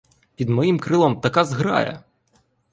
Під моїм крилом така зграя!